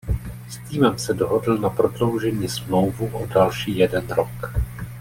S týmem se dohodl na prodloužení smlouvu o další jeden rok.